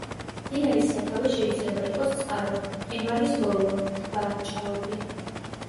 მდინარის სათავე შეიძლება იყოს წყარო, მყინვარის ბოლო, ტბა, ჭაობი.